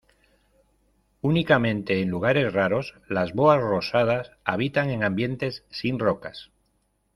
Únicamente en lugares raros las boas rosadas habitan en ambientes sin rocas.